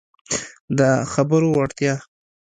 د خبرو وړتیا